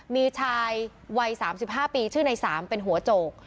มีชายวัย๓๕ปีชื่อใน๓เป็นหัวโจก